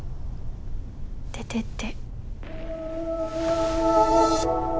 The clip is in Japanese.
出てって。